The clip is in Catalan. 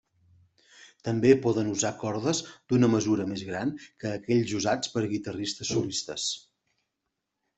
També poden usar cordes d'una mesura més gran que aquells usats per guitarristes solistes.